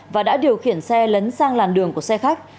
và đã điều khiển xe lấn sang làn đường của xe khách